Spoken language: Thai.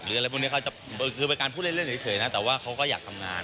คือเป็นการพูดเล่นเฉยนะแต่ว่าเขาก็อยากทำงาน